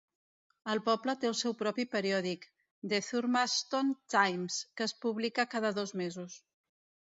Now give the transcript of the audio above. El poble té el seu propi periòdic, The Thurmaston Times, que es publica cada dos mesos.